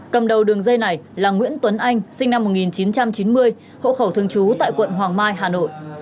cầm đầu đường dây này là nguyễn tuấn anh sinh năm một nghìn chín trăm chín mươi hộ khẩu thương chú tại quận hoàng mai hà nội